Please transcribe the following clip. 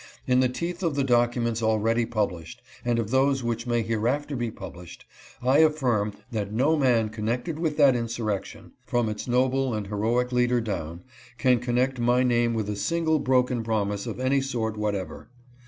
In the teeth of the documents already published and of those which may hereafter be published, I affirm that no man connected with that insurrection, from its noble and heroic leader down, can connect my name with a single broken promise of any sort whatever.